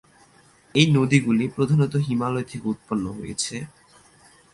এই নদীগুলি প্রধানত হিমালয় থেকে উৎপন্ন হয়েছে।